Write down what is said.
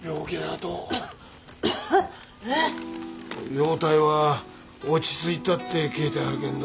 容体は落ち着いたって書えてあるけんど。